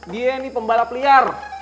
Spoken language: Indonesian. dia nih pembalap liar